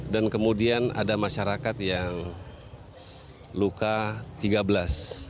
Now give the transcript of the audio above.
dan kemudian ada masyarakat yang luka tiga belas